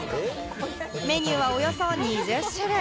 メニューはおよそ２０種類。